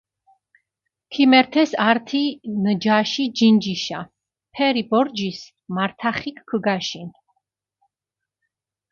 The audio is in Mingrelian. ქიმერთეს ართი ნჯაში ჯინჯიშა, ფერი ბორჯისჷ მართახიქჷ ქჷგაშინჷ.